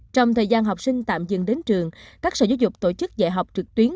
trong thời gian học sinh tạm dừng đến trường các sở giáo dục tổ chức dạy học trực tuyến